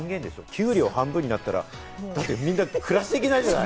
給料が半分になったら暮らしていけないじゃない。